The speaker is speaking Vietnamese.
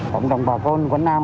cộng đồng bà con quảng nam